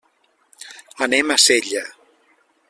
Anem a Sella.